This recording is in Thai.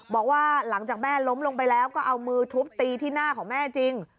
บอกว่าหลังจากแม่ล้มลงไปแล้วก็เอามือทุบตีที่หน้าของแม่จริง